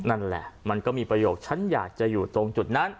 นั่นแหละมันก็มีประโยคฉันอยากจะอยู่ตรงจุดนั้น